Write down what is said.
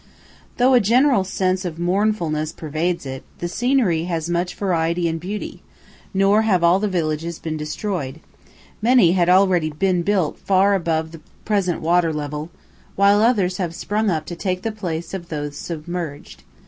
Though a general sense of mournfulness pervades it, the scenery has much variety and beauty, nor have all the villages been destroyed; many had already been built far above the present water level, while others have sprung up to take the place of those submerged.